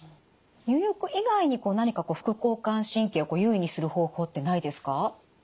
入浴以外に何か副交感神経を優位にする方法ってないですか？